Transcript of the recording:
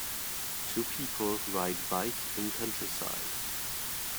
Two people ride bike in countryside.